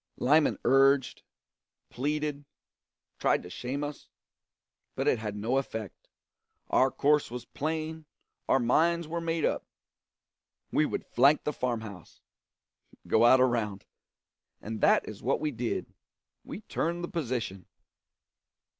Lyman urged, pleaded, tried to shame us, but it had no effect. Our course was plain, our minds were made up: we would flank the farmhouse go out around. And that is what we did. We turned the position.